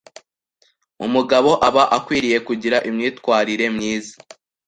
Umugabo aba akwiriye kugira imyitwarire myiza